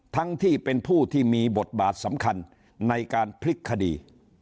ทั้งที่เป็นผู้ที่มีบทบาทสำคัญในการพลิกคดี